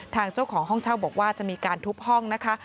ทางเจ้าของห้องเช่าบอกว่าจะมีการทุบห้องนะคะ